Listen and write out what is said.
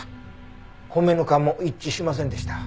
米ぬかも一致しませんでした。